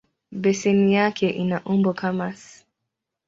Beseni yake ina umbo kama "S".